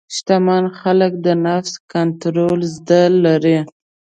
شتمن خلک د نفس کنټرول زده لري.